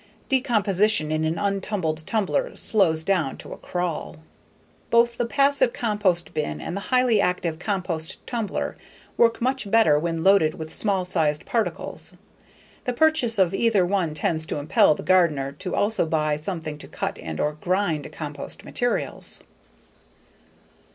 Decomposition in an untumbled tumbler slows down to a crawl. Both the passive compost bin and the highly active compost tumbler work much better when loaded with small sized particles. The purchase of either one tends to impel the gardener to also buy something to cut and/or grind compost materials.